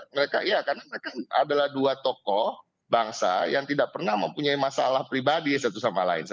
mereka iya karena mereka adalah dua tokoh bangsa yang tidak pernah mempunyai masalah pribadi satu sama lain